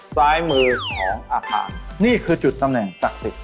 ซ้ายมือของอาคารนี่คือจุดตำแหน่งศักดิ์สิทธิ